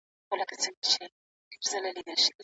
کله به حکومت بحران په رسمي ډول وڅیړي؟